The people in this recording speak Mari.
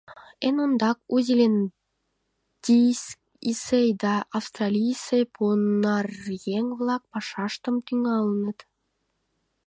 Эн ондак У Зеландийысе да Австралийысе понаръеҥ-влак пашаштым тӱҥалыныт.